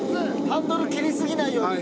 ハンドル切り過ぎないように。